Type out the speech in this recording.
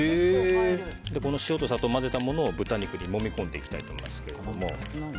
この塩と砂糖を混ぜたものを豚肉にもみ込んでいきたいと思います。